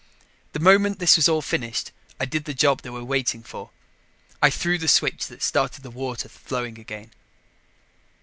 The moment this was all finished, I did the job they were waiting for. I threw the switch that started the water flowing again.